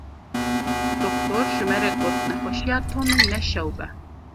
Doktor ji me re got nexweşiya Tomî ne şewb e.